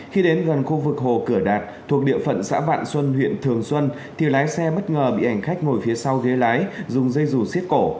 khi đến gần khu vực hồ cửa đạt thuộc địa phận xã vạn xuân huyện thường xuân thì lái xe bất ngờ bị ảnh khách ngồi phía sau ghế lái dùng dây rù xiết cổ